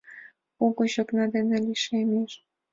Угыч окна деке лишемеш.